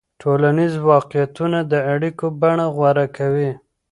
ټولنیز واقعیت د اړیکو بڼه غوره کوي.